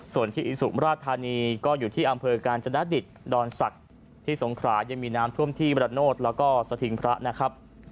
ส่วนที่สุมราชธานีอำเภอการจนตรริตดอนสัตว์ที่สงครามีน้ามท่วมที่บรรโนตก์และสติงพระ